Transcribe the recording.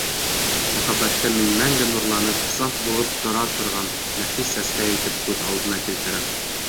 Мөхәббәтте мин мәңге нурланып, саф булып тора торған нәфис сәскә итеп күҙ алдына килтерәм.